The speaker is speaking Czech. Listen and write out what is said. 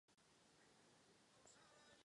Sochař původní sochy mohl být Řek.